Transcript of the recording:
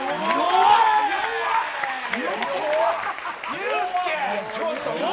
ユースケ。